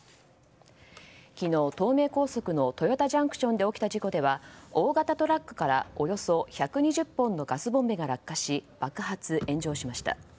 昨日、東名高速の豊田ＪＣＴで起きた事故では大型トラックからおよそ１２０本のガスボンベが落下し爆発・炎上しました。